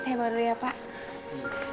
saya bawa dulu ya pak